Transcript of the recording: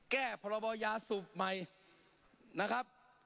แก้พรบยาสูบใหม่นะครับ